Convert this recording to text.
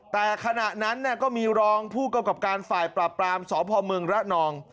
แต่ขณะนั้นก็มีรองผู้กำกับการฝ่ายปราบปรามสพเมืองระนอง